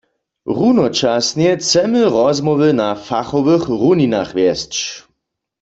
Runočasnje chcemy rozmołwy na fachowych runinach wjesć.